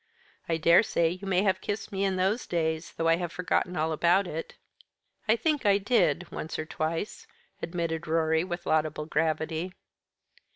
I daresay you may have kissed me in those days, though I have forgotten all about it." "I think I did once or twice," admitted Rorie with laudable gravity.